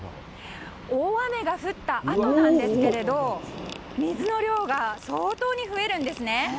大雨が降ったあとなんですが水の量が相当に増えるんですね。